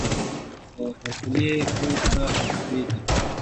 د هر کلي ګوټ ته هدېرې دي.